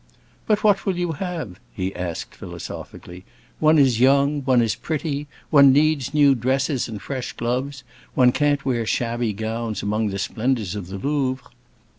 "But what will you have?"' he asked, philosophically. "One is young, one is pretty, one needs new dresses and fresh gloves; one can't wear shabby gowns among the splendors of the Louvre."